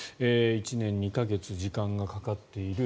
１年２か月時間がかかっている。